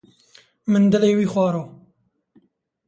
Min dilê wî xwaro!